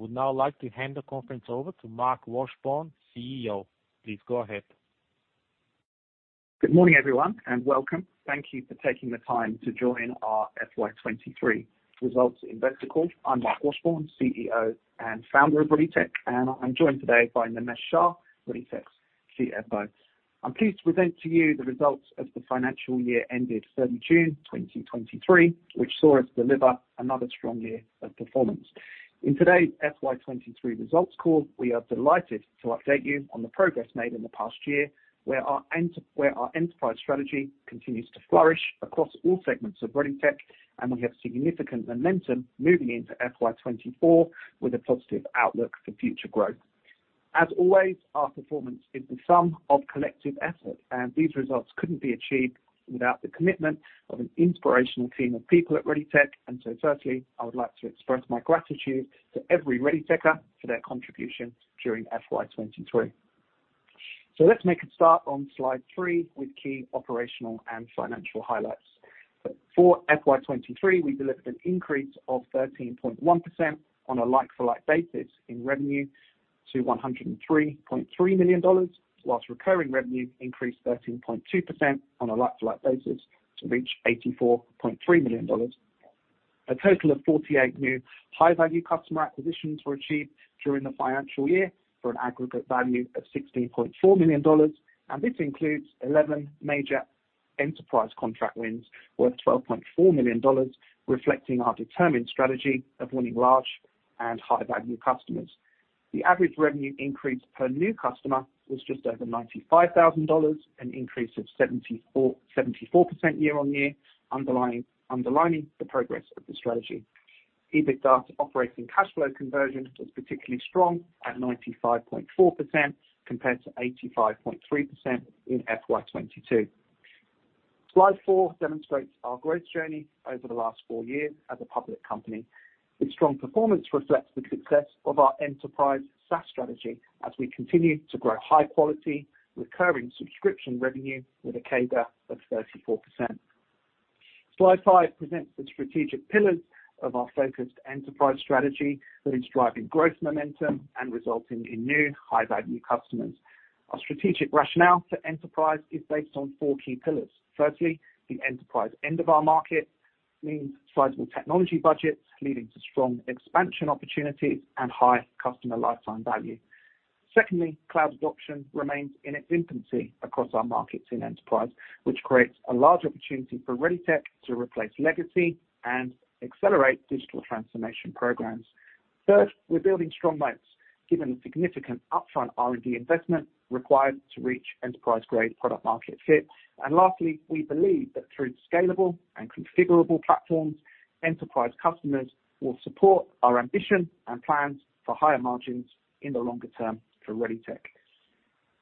I would now like to hand the conference over to Marc Washbourne, CEO. Please go ahead. Good morning, everyone, and welcome. Thank you for taking the time to join our FY23 results investor call. I'm Marc Washbourne, CEO, and founder of ReadyTech, and I'm joined today by Nimesh Shah, ReadyTech's CFO. I'm pleased to present to you the results of the financial year ended 30 June, 2023, which saw us deliver another strong year of performance. In today's FY23 results call, we are delighted to update you on the progress made in the past year, where our enterprise strategy continues to flourish across all segments of ReadyTech, and we have significant momentum moving into FY24, with a positive outlook for future growth. As always, our performance is the sum of collective effort, and these results couldn't be achieved without the commitment of an inspirational team of people at ReadyTech. Firstly, I would like to express my gratitude to every ReadyTecher for their contribution during FY23. Let's make a start on slide three with key operational and financial highlights. For FY23, we delivered an increase of 13.1% on a like-for-like basis in revenue to 103.3 million dollars, whilst recurring revenue increased 13.2% on a like-for-like basis to reach 84.3 million dollars. A total of 48 new high-value customer acquisitions were achieved during the financial year for an aggregate value of 16.4 million dollars, and this includes 11 major enterprise contract wins worth 12.4 million dollars, reflecting our determined strategy of winning large and high-value customers. The average revenue increase per new customer was just over 95,000 dollars, an increase of 74, 74% year on year, underlying, underlining the progress of the strategy. EBITDA to operating cash flow conversion was particularly strong at 95.4% compared to 85.3% in FY22. Slide four demonstrates our growth journey over the last four years as a public company. Its strong performance reflects the success of our enterprise SaaS strategy as we continue to grow high quality, recurring subscription revenue with a CAGR of 34%. Slide five presents the strategic pillars of our focused enterprise strategy that is driving growth momentum and resulting in new high-value customers. Our strategic rationale for enterprise is based on four key pillars. Firstly, the enterprise end of our market means sizable technology budgets, leading to strong expansion opportunities and high customer lifetime value. Secondly, cloud adoption remains in its infancy across our markets in enterprise, which creates a large opportunity for ReadyTech to replace legacy and accelerate digital transformation programs. Third, we're building strong moats, given the significant upfront R&D investment required to reach enterprise-grade product market fit. Lastly, we believe that through scalable and configurable platforms, enterprise customers will support our ambition and plans for higher margins in the longer term for ReadyTech.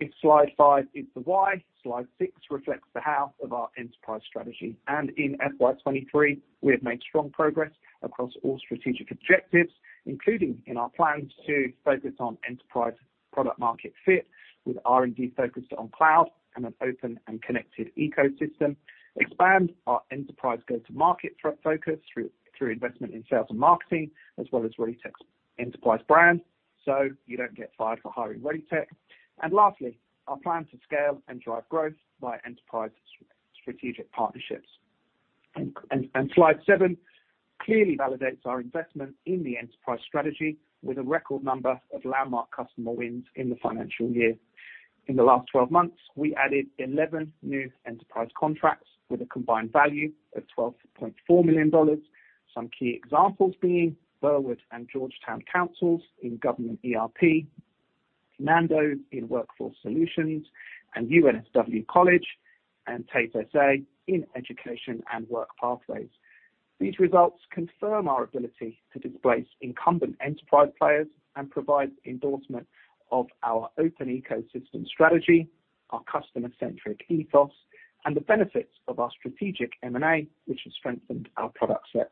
If slide five is the why, slide six reflects the how of our enterprise strategy. In FY23, we have made strong progress across all strategic objectives, including in our plans to focus on enterprise product market fit with R&D focused on cloud and an open and connected ecosystem. Expand our enterprise go-to-market focus through investment in sales and marketing, as well as ReadyTech's enterprise brand, so you don't get fired for hiring ReadyTech. Lastly, our plan to scale and drive growth by enterprise strategic partnerships. Slide seven clearly validates our investment in the enterprise strategy with a record number of landmark customer wins in the financial year. In the last 12 months, we added 11 new enterprise contracts with a combined value of 12.4 million dollars. Some key examples being Burwood and George Town Councils in government ERP, Nando's in Workforce Solutions, and UNSW College and TAFE SA in Education and Work Pathways. These results confirm our ability to displace incumbent enterprise players and provide endorsement of our open ecosystem strategy, our customer-centric ethos, and the benefits of our strategic M&A, which has strengthened our product sets.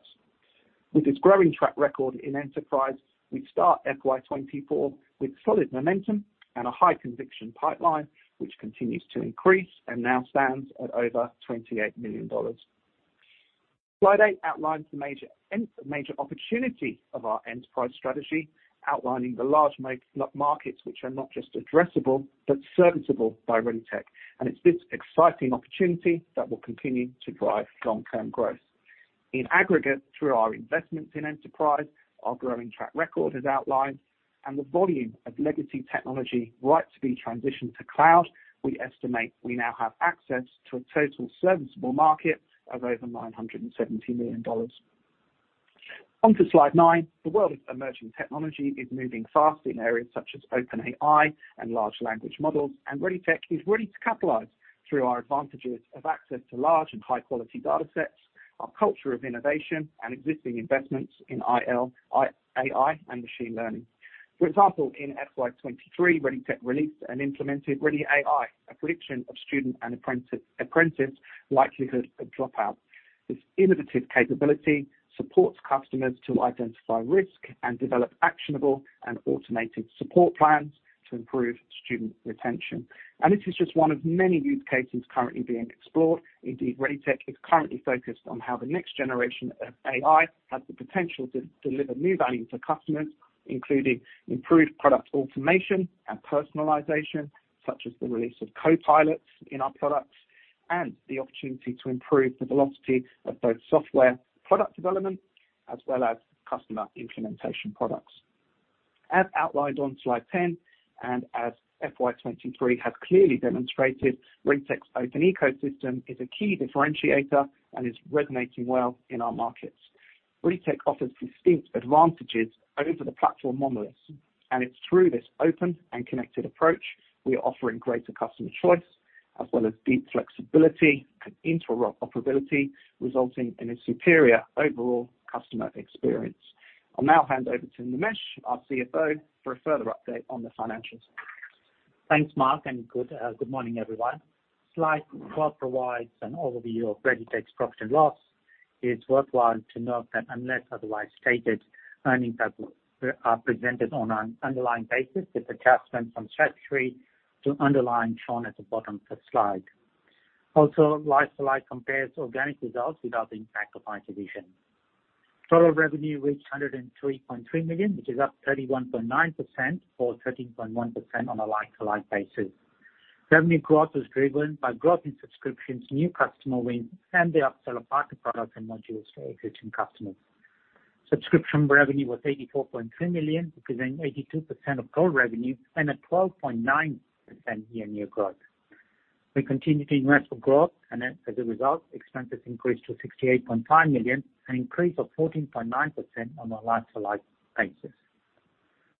With this growing track record in enterprise, we start FY24 with solid momentum and a high conviction pipeline, which continues to increase and now stands at over 28 million dollars. Slide eight outlines the major opportunity of our enterprise strategy, outlining the large markets which are not just addressable, but serviceable by ReadyTech. It's this exciting opportunity that will continue to drive long-term growth. In aggregate, through our investments in enterprise, our growing track record is outlined and the volume of legacy technology right to be transitioned to cloud, we estimate we now have access to a total serviceable market of over $970 million. On to Slide nine. The world of emerging technology is moving fast in areas such as OpenAI and large language models, and ReadyTech is ready to capitalize through our advantages of access to large and high quality data sets, our culture of innovation and existing investments in AI, AI, and machine learning. For example, in FY23, ReadyTech released and implemented ReadyAI, a prediction of student and apprentice likelihood of dropout. This innovative capability supports customers to identify risk and develop actionable and automated support plans to improve student retention. This is just one of many use cases currently being explored. Indeed, ReadyTech is currently focused on how the next generation of AI has the potential to deliver new value to customers, including improved product automation and personalization, such as the release of copilots in our products, and the opportunity to improve the velocity of both software product development as well as customer implementation products. As outlined on slide 10, and as FY23 has clearly demonstrated, ReadyTech's open ecosystem is a key differentiator and is resonating well in our markets. ReadyTech offers distinct advantages over the platform monoliths, and it's through this open and connected approach we are offering greater customer choice, as well as deep flexibility and interoperability, resulting in a superior overall customer experience. I'll now hand over to Nimesh, our CFO, for a further update on the financials. Thanks, Marc, good morning, everyone. Slide 12 provides an overview of ReadyTech's profit and loss. It's worthwhile to note that unless otherwise stated, earnings are, are presented on an underlying basis, with adjustments from statutory to underlying shown at the bottom of the slide. Also, like-to-like compares organic results without the impact of IT Vision. Total revenue reached $103.3 million, which is up 31.9%, or 13.1% on a like-to-like basis. Revenue growth was driven by growth in subscriptions, new customer wins, and the upsell of product, products, and modules to existing customers. Subscription revenue was $84.3 million, representing 82% of total revenue and a 12.9% year-on-year growth. We continued to invest for growth, as a result, expenses increased to 68.5 million, an increase of 14.9% on a like-to-like basis.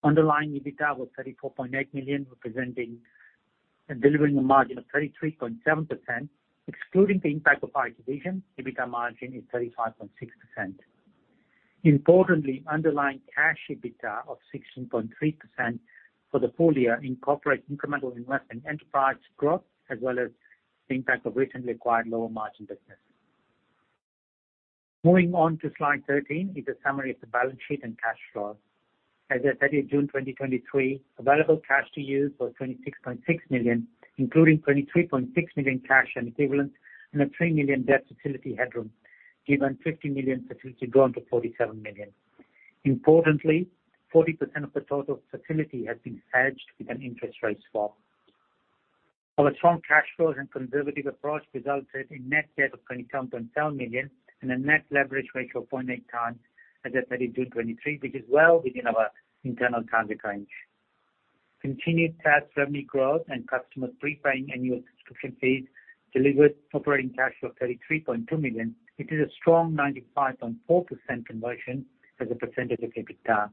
Underlying EBITDA was 34.8 million, representing and delivering a margin of 33.7%. Excluding the impact of IT Vision, EBITDA margin is 35.6%. Importantly, underlying Cash EBITDA of 16.3% for the full year incorporate incremental investment in enterprise growth, as well as the impact of recently acquired lower margin business. Moving on to slide 13 is a summary of the balance sheet and cash flow. As at 30th June 2023, available cash to use was 26.6 million, including 23.6 million cash and equivalents and a 3 million debt facility headroom, given 50 million facility had grown to 47 million. Importantly, 40% of the total facility has been hedged with an interest rate swap. Our strong cash flows and conservative approach resulted in net debt of 27.7 million and a net leverage ratio of 0.8x, as at 30th of June 2023, which is well within our internal target range. Continued SaaS revenue growth and customers prepaying annual subscription fees delivered operating cash flow of 33.2 million, which is a strong 95.4% conversion as a percentage of EBITDA.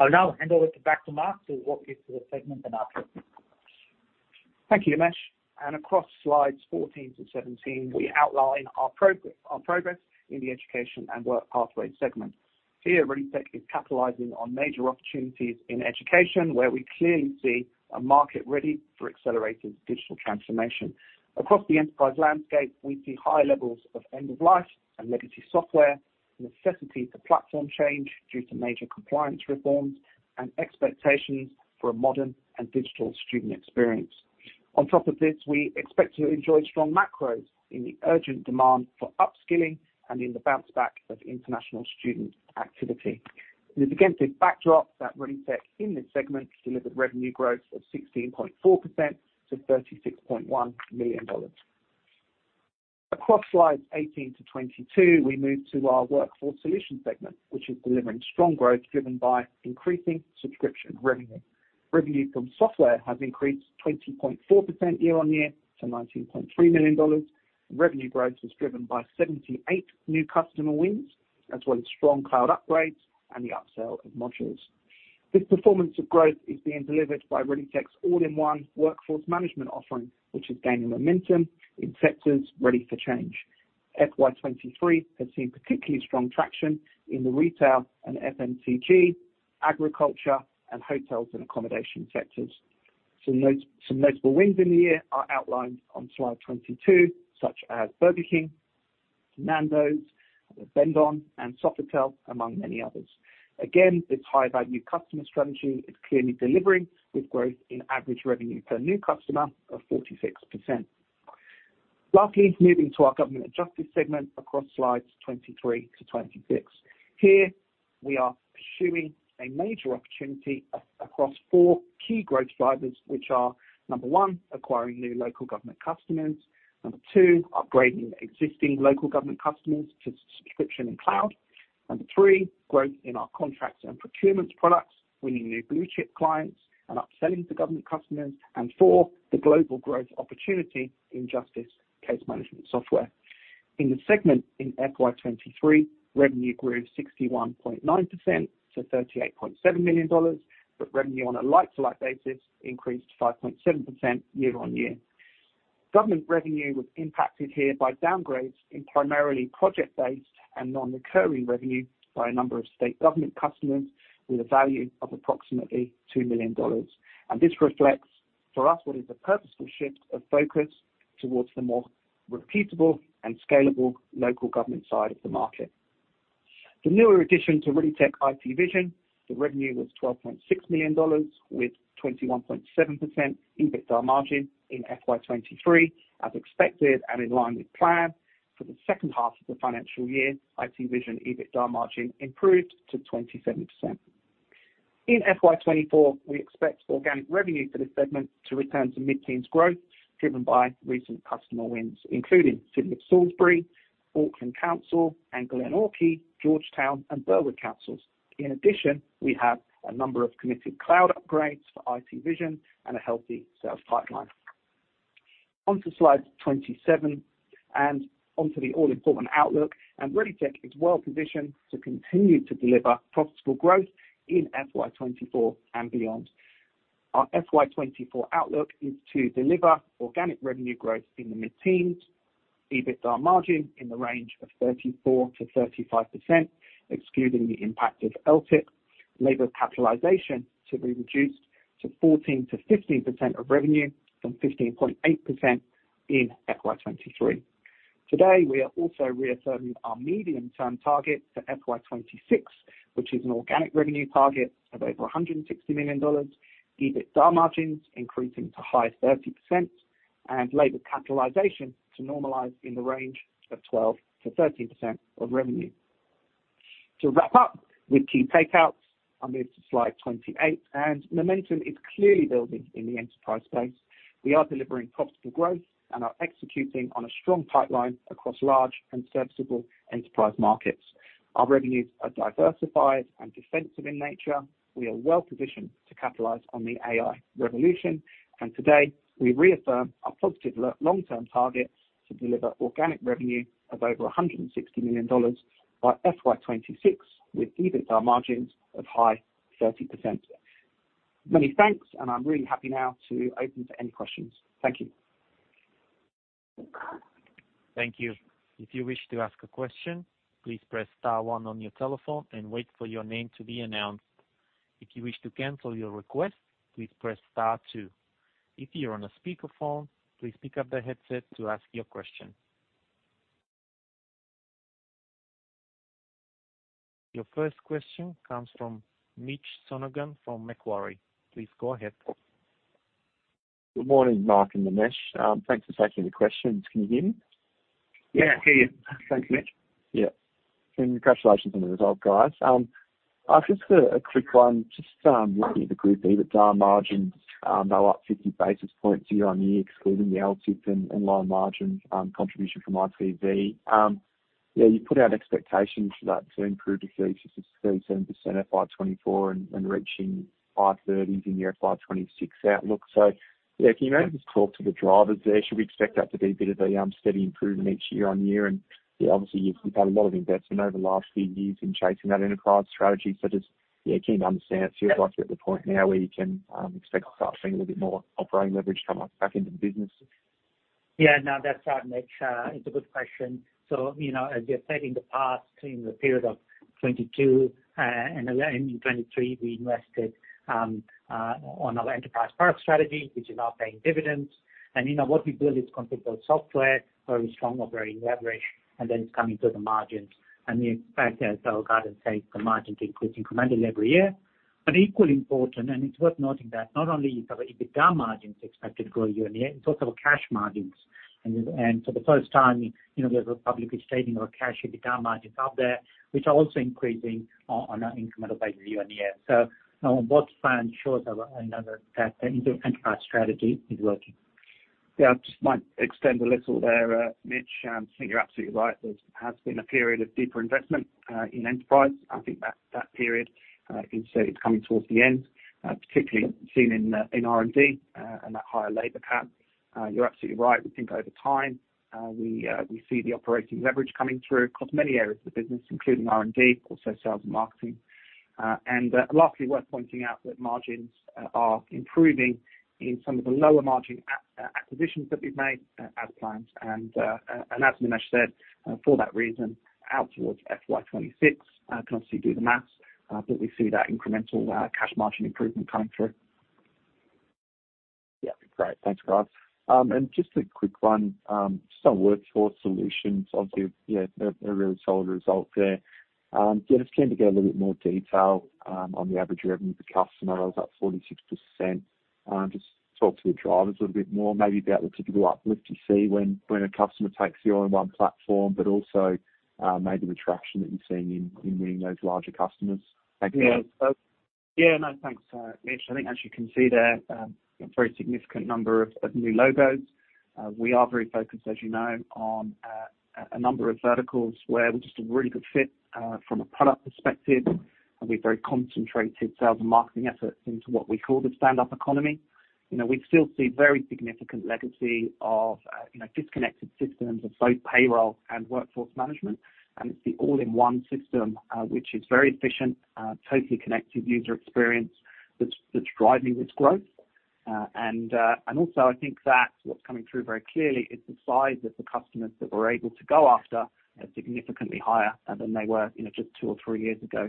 I'll now hand over to back to Marc to walk you through the segment and outlook. Thank you, Nimesh. Across slides 14-17, we outline our progress in the Education and Work Pathways segment. Here, ReadyTech is capitalizing on major opportunities in education, where we clearly see a market ready for accelerated digital transformation. Across the enterprise landscape, we see high levels of end-of-life and legacy software, necessity for platform change due to major compliance reforms, and expectations for a modern and digital student experience. On top of this, we expect to enjoy strong macros in the urgent demand for upskilling and in the bounce back of international student activity. It's against this backdrop that ReadyTech, in this segment, delivered revenue growth of 16.4% to $36.1 million. Across slides 18-22, we move to our Workforce Solutions segment, which is delivering strong growth, driven by increasing subscription revenue. Revenue from software has increased 20.4% year-on-year to 19.3 million dollars. Revenue growth was driven by 78 new customer wins, as well as strong cloud upgrades and the upsell of modules. This performance of growth is being delivered by ReadyTech's all-in-one workforce management offering, which is gaining momentum in sectors ready for change. FY23 has seen particularly strong traction in the retail and FMCG, agriculture, and hotels and accommodation sectors. Some notable wins in the year are outlined on slide 22, such as Burger King, Nando's, Bendon, and Sofitel, among many others. Again, this high-value customer strategy is clearly delivering, with growth in average revenue per new customer of 46%. Lastly, moving to our Government and Justice segment across slides 23-26. Here, we are pursuing a major opportunity across four key growth drivers, which are, one, acquiring new local government customers. Two, upgrading existing local government customers to subscription and cloud. Three, growth in our contracts and procurement products, winning new blue chip clients, and upselling to government customers. Four, the global growth opportunity in justice case management software. In the segment in FY23, revenue grew 61.9% to 38.7 million dollars, revenue on a like-to-like basis increased 5.7% year-on-year. Government revenue was impacted here by downgrades in primarily project-based and non-recurring revenue by a number of state government customers with a value of approximately 2 million dollars. This reflects, for us, what is a purposeful shift of focus towards the more repeatable and scalable local government side of the market. The newer addition to ReadyTech, IT Vision, the revenue was $12.6 million, with 21.7% EBITDA margin in FY23, as expected and in line with plan. For the second half of the financial year, IT Vision EBITDA margin improved to 27%. In FY24, we expect organic revenue for this segment to return to mid-teens growth, driven by recent customer wins, including City of Salisbury, Auckland Council, and Glenorchy, George Town, and Burwood Councils. In addition, we have a number of committed cloud upgrades for IT Vision and a healthy sales pipeline. On to Slide 27, and onto the all-important outlook, and ReadyTech is well positioned to continue to deliver profitable growth in FY24 and beyond. Our FY24 outlook is to deliver organic revenue growth in the mid-teens, EBITDA margin in the range of 34%-35%, excluding the impact of LTIP, labor capitalization to be reduced to 14%-15% of revenue from 15.8% in FY23. Today, we are also reaffirming our medium-term target for FY26, which is an organic revenue target of over $160 million, EBITDA margins increasing to high 30%, and labor capitalization to normalize in the range of 12%-13% of revenue. To wrap up with key takeouts, I'll move to slide 28. Momentum is clearly building in the enterprise space. We are delivering profitable growth and are executing on a strong pipeline across large and serviceable enterprise markets. Our revenues are diversified and defensive in nature. We are well positioned to capitalize on the AI revolution. Today, we reaffirm our positive long-term target to deliver organic revenue of over $160 million by FY26, with EBITDA margins of high 30%. Many thanks, I'm really happy now to open to any questions. Thank you. Thank you. If you wish to ask a question, please press star one on your telephone and wait for your name to be announced. If you wish to cancel your request, please press star two. If you're on a speakerphone, please pick up the headset to ask your question. Your first question comes from Mitchell Sonogan from Macquarie. Please go ahead. Good morning, Marc and Nimesh. Thanks for taking the questions. Can you hear me? Yeah, I hear you. Thanks, Mitch. Yeah. Congratulations on the result, guys. Just a, a quick one, just looking at the group EBITDA margins, they're up 50 basis points year-on-year, excluding the LTIP and low margin contribution from ITV. Yeah, you put out expectations for that to improve to 30%-37% at FY24 and reaching high 30s in your FY26 outlook. Yeah, can you maybe just talk to the drivers there? Should we expect that to be a bit of a steady improvement each year-on-year? Yeah, obviously, you've done a lot of investment over the last few years in chasing that enterprise strategy, so just, yeah, keen to understand. You've got to get to the point now where you can expect to start seeing a little bit more operating leverage coming back into the business. Yeah. No, that's right, Mitch. It's a good question. You know, as we have said in the past, in the period of 2022, and in 2023, we invested on our enterprise product strategy, which is now paying dividends. You know, what we build is configured software, very strong, operating leverage, and then it's coming to the margins. We expect, as our guidance says, the margin to increase incrementally every year. Equally important, and it's worth noting that not only is our EBITDA margins expected to grow year-on-year, it's also our cash margins. For the first time, you know, there's a public stating of our cash EBITDA margins out there, which are also increasing on an incremental basis year-on-year. On both front shows, I know that that enterprise strategy is working. Yeah. I just might extend a little there, Mitch. I think you're absolutely right. There has been a period of deeper investment in enterprise. I think that, that period, you can say it's coming towards the end, particularly seen in R&D, and that higher labor cap. You're absolutely right. We think over time, we see the operating leverage coming through across many areas of the business, including R&D, also sales and marketing. Lastly, worth pointing out that margins are improving in some of the lower margin acquisitions that we've made as planned. As Nimesh said, for that reason, out towards FY26, can obviously do the math. We see that incremental cash margin improvement coming through. Yeah, great. Thanks, guys. Just a quick one, just on Workforce Solutions, obviously, yeah, a, a really solid result there. Yeah, just keen to get a little bit more detail on the average revenue per customer, that was up 46%. Just talk to the drivers a little bit more, maybe about the typical uplift you see when, when a customer takes you on one platform, but also, maybe the traction that you're seeing in, in winning those larger customers. Thank you. Yeah. No, thanks, Mitch. I think as you can see there, a very significant number of, of new logos. We are very focused, as you know, on a number of verticals where we're just a really good fit from a product perspective, and we've very concentrated sales and marketing efforts into what we call the stand-up economy. You know, we still see very significant legacy of, you know, disconnected systems of both payroll and workforce management, and it's the all-in-one system, which is very efficient, totally connected user experience, that's, that's driving this growth. Also, I think that what's coming through very clearly is the size of the customers that we're able to go after are significantly higher than they were in just two or three years ago.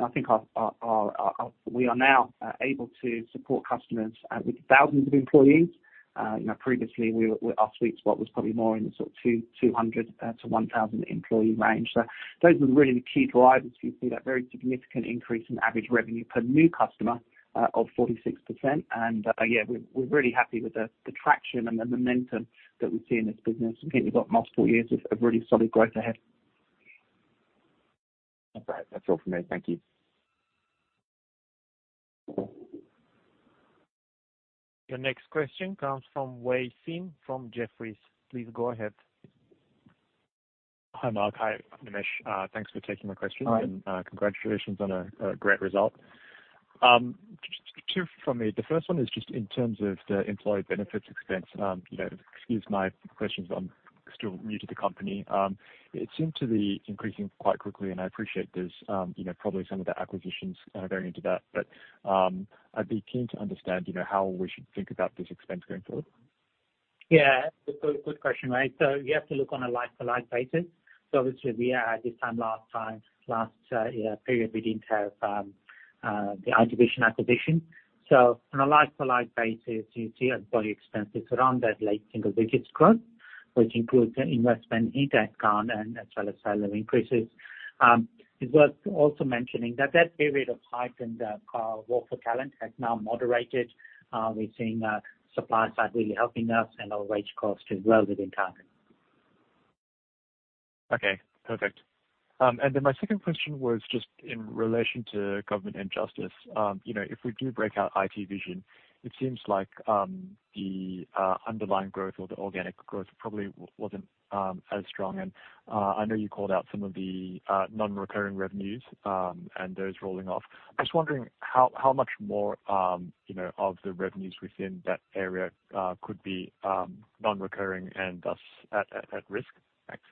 I think we are now able to support customers with thousands of employees. You know, previously we were, our sweet spot was probably more in the sort of 200 to 1,000 employee range. Those are really the key drivers. You see that very significant increase in average revenue per new customer of 46%. Yeah, we're, we're really happy with the, the traction and the momentum that we see in this business. I think we've got multiple years of, of really solid growth ahead. Okay. That's all from me. Thank you. Your next question comes from Wei Sim from Jefferies. Please go ahead. Hi, Marc. Hi, Nimesh. Thanks for taking my questions. Hi. Congratulations on a great result. Just two from me. The first one is just in terms of the employee benefits expense, you know, excuse my questions, I'm still new to the company. It seems to be increasing quite quickly, and I appreciate there's, you know, probably some of the acquisitions varying into that. I'd be keen to understand, you know, how we should think about this expense going forward. Yeah, good, good question, right? You have to look on a like-to-like basis. Obviously, we are, at this time, last time, last year period, we didn't have the IT Vision acquisition. On a like-to-like basis, you see employee expenses around that late single digits growth, which includes the investment in that account and as well as salary increases. It's worth also mentioning that that period of heightened war for talent has now moderated. We're seeing supply side really helping us, and our wage cost is well within target. Okay, perfect. My second question was just in relation to Government and Justice. You know, if we do break out IT Vision, it seems like the underlying growth or the organic growth probably wasn't as strong. I know you called out some of the non-recurring revenues and those rolling off. I'm just wondering how, how much more, you know, of the revenues within that area could be non-recurring and thus at, at, at risk? Thanks.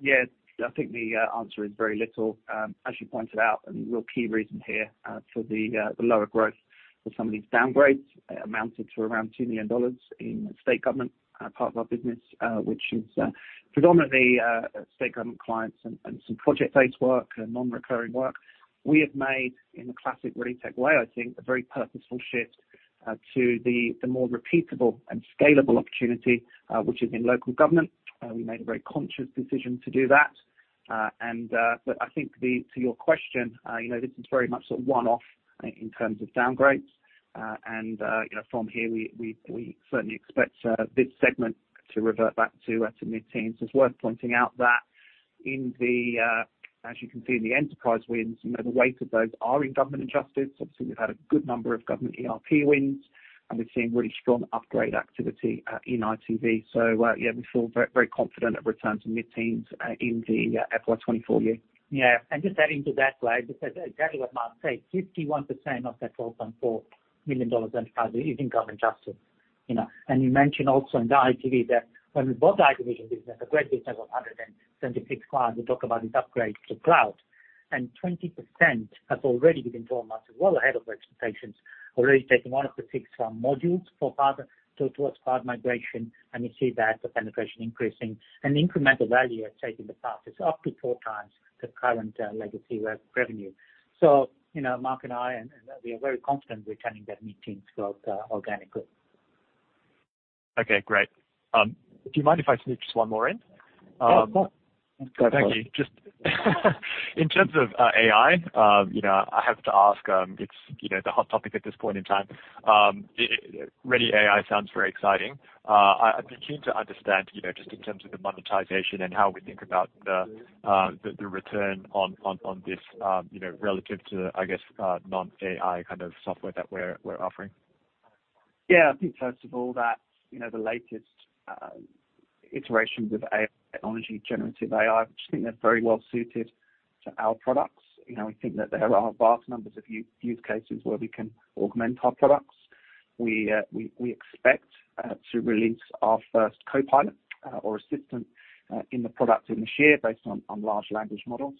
Yeah, I think the answer is very little. As you pointed out, and the real key reason here for the lower growth for some of these downgrades, amounted to around $2 million in state government part of our business, which is predominantly state government clients and some project-based work and non-recurring work. We have made, in a classic ReadyTech way, I think, a very purposeful shift to the more repeatable and scalable opportunity, which is in local government. We made a very conscious decision to do that. But I think to your question, you know, this is very much a one-off in terms of downgrades. And, you know, from here, we certainly expect this segment to revert back to mid-teens. It's worth pointing out that in the, as you can see in the enterprise wins, you know, the weight of those are in Government and Justice. Obviously, we've had a good number of government ERP wins, and we've seen really strong upgrade activity in IT Vision. Yeah, we feel very, very confident it returns to mid-teens in the FY24 year. Yeah, just adding to that, right, because exactly what Marc said, 51% of that 12.4 million dollars enterprise is in Government and Justice, you know. You mentioned also in the IT Vision that when we bought the IT Vision business, a great business of 176 clients, we talk about this upgrade to cloud, 20% has already been transformed, well ahead of expectations, already taking 1 of the 6 modules for further towards cloud migration. You see that the penetration increasing and the incremental value is taking the path. It's up to four times the current legacy revenue. You know, Marc and I, and we are very confident returning that mid-teens growth organically. Okay, great. Do you mind if I sneak just one more in? Yeah, of course. Go for it. Thank you. Just in terms of AI, you know, I have to ask. It's, you know, the hot topic at this point in time. ReadyAI sounds very exciting. I'd be keen to understand, you know, just in terms of the monetization and how we think about the, the, the return on, on, on this, you know, relative to, I guess, non-AI kind of software that we're, we're offering. Yeah, I think first of all, that, you know, the latest iterations of AI technology, generative AI, I just think they're very well suited to our products. You know, we think that there are vast numbers of use cases where we can augment our products. We, we expect to release our first copilot or assistant in the product in this year based on large language models.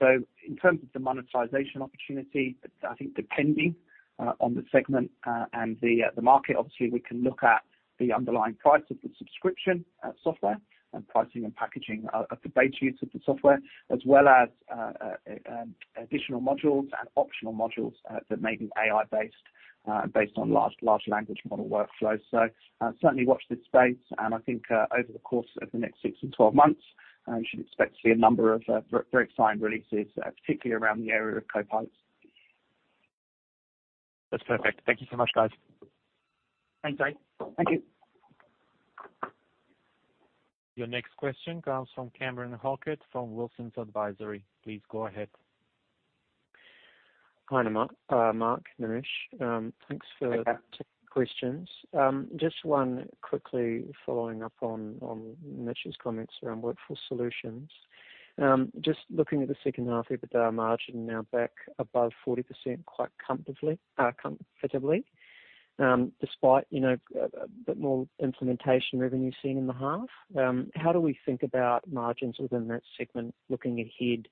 In terms of the monetization opportunity, I think depending on the segment and the market, obviously, we can look at the underlying price of the subscription software and pricing and packaging of the base use of the software, as well as additional modules and optional modules that may be AI-based based on large, large language model workflows. Certainly watch this space, and I think, over the course of the next six-12 months, you should expect to see a number of very exciting releases, particularly around the area of copilots. That's perfect. Thank you so much, guys. Thanks, guys. Thank you. Your next question comes from Cameron Halkett, from Wilsons Advisory. Please go ahead. Hi, Mark, Nimesh. Thanks for. Hey, Cam. -taking questions. Just one quickly following up on, on Nimesh's comments around Workforce Solutions. Just looking at the second half EBITDA margin, now back above 40% quite comfortably, comfortably, despite, you know, a, a bit more implementation revenue seen in the half. How do we think about margins within that segment looking ahead,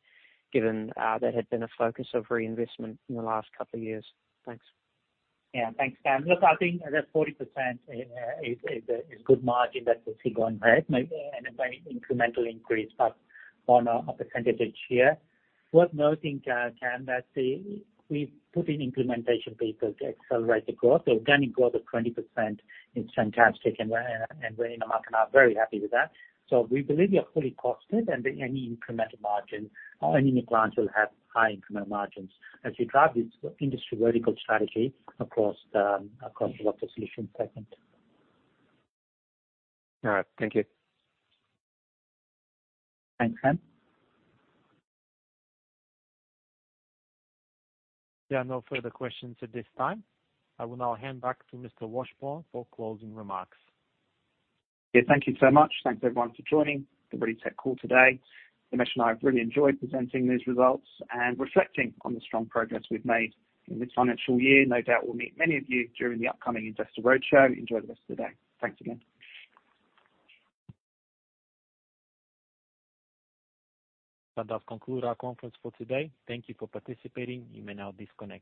given, that had been a focus of reinvestment in the last couple of years? Thanks. Yeah. Thanks, Cam. Look, I think that 40% is, is a, is good margin that we'll see going ahead, maybe, and a very incremental increase, but on a, a percentage here. Worth noting, Cam, that the, we've put in implementation pieces to accelerate the growth. Organic growth of 20% is fantastic, and we're, and we're in a market are very happy with that. We believe we are fully costed, and any incremental margin, any new clients will have high incremental margins as we drive this industry vertical strategy across the, across the Workforce Solutions segment. All right. Thank you. Thanks, Cam. There are no further questions at this time. I will now hand back to Mr. Washbourne for closing remarks. Yeah, thank you so much. Thanks, everyone, for joining the ReadyTech call today. Nimesh and I have really enjoyed presenting these results and reflecting on the strong progress we've made in this financial year. No doubt we'll meet many of you during the upcoming Investor Roadshow. Enjoy the rest of the day. Thanks again. That does conclude our conference for today. Thank you for participating. You may now disconnect.